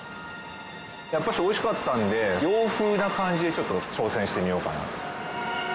やっぱりおいしかったので洋風な感じでちょっと挑戦してみようかなと。